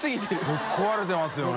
ぶっ壊れてますよね。